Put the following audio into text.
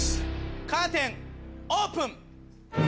カーテンオープン！